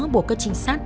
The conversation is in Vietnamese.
bộ các trinh sát